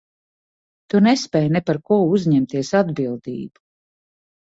Tu nespēj ne par ko uzņemties atbildību.